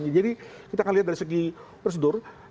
jadi kita akan lihat dari segi prosedur